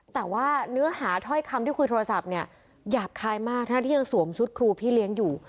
แต่ว่าเนื้อหาถ้อยคำที่คุยโทรศัพท์เนี่ยหยาบคายมากทั้งที่ยังสวมชุดครูพี่เลี้ยงอยู่